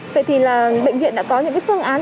vậy thì là bệnh viện đã có những cái phương án